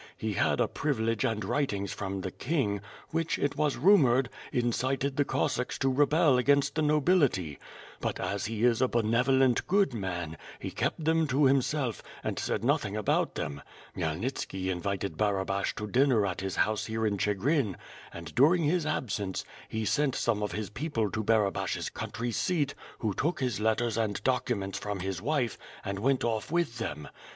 He had a privilege and writings from the King, which, it was rumored, incited the Cossacks to rebel against the nobility. But as he is a benevolent, good WITH FIRE AND SWORD. j^ man, he kept them to himself, and said nothing about them. Rhmyelnitski invited Barabash to dinner at his house here in Chigrin, and during his absence, he sent some of his people to Barabash's country seat, who took his letters and documents from his wife, and went off with them.